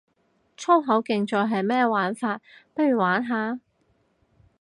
粗口競賽係咩玩法，不如玩下